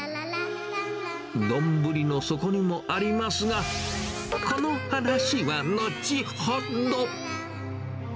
丼の底にもありますが、この話は後ほど。